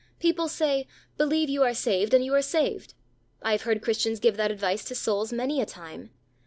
People say, "Believe you are saved, and you are saved." I have heard Christians give that advice to souls many a time.